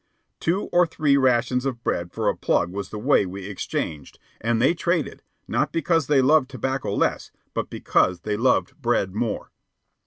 Two or three rations of bread for a plug was the way we exchanged, and they traded, not because they loved tobacco less, but because they loved bread more.